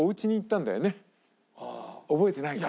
覚えてないか。